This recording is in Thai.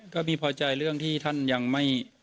ก็มีพอใจเรื่องที่ท่านยังไม่